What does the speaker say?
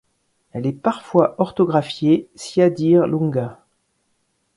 Elle est parfois orthographiée Ciadîr Lunga.